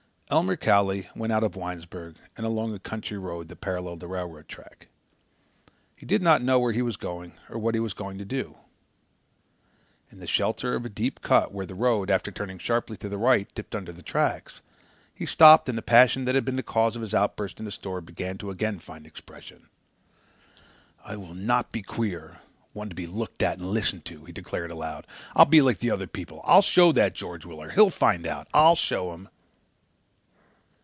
Elmer Cowley went out of Winesburg and along a country road that paralleled the railroad track. He did not know where he was going or what he was going to do. In the shelter of a deep cut where the road, after turning sharply to the right, dipped under the tracks he stopped and the passion that had been the cause of his outburst in the store began to again find expression. "I will not be queer—one to be looked at and listened to," he declared aloud. "I'll be like other people. I'll show that George Willard. He'll find out. I'll show him!"